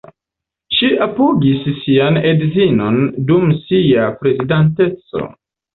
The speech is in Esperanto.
Ŝi apogis sian edzon dum sia prezidanteco.